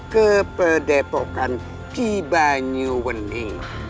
ke pedepokan cibanyuweni